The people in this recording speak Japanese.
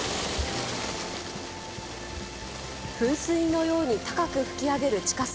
噴水のように高く噴き上げる地下水。